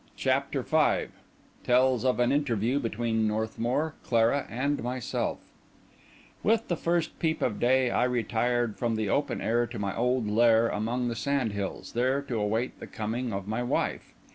CHAPTER V TELLS OF AN INTERVIEW BETWEEN NORTHMOUR, CLARA, AND MYSELF With the first peep of day, I retired from the open to my old lair among the sand hills, there to await the coming of my wife.